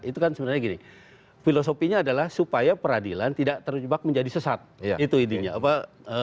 itu kan sebenarnya gini filosofinya adalah supaya peradilan tidak terjebak menjadi sesat itu intinya apa